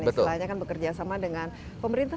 istilahnya kan bekerja sama dengan pemerintah